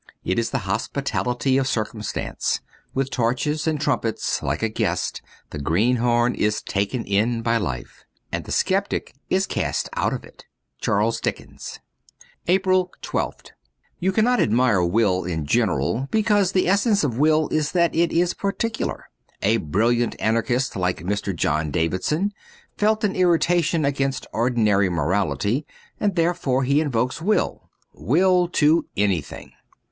It is the hospitality of circumstance. With torches and trumpets, like a guest, the greenhorn is taken in by Life. And the sceptic is cast out by it. ' Charles Dickens.^ lit APRIL 1 2th YOU cannot admire will in general, because the essence of will is that it is particular. A brilliant anarchist like Mr. John Davidson felt an irritation against ordinary morality, and therefore he invokes will — will to anything.